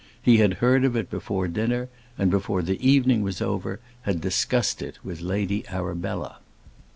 He had heard of it before dinner, and, before the evening was over, had discussed it with Lady Arabella.